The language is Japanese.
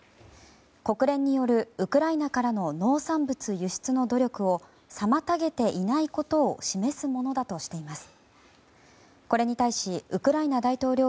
国連によるウクライナからの農産物輸出の努力を妨げていないことを示すものだとしています。